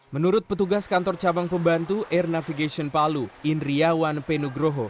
menurut petugas kantor cabang pembantu air navigation palu indriawan penugroho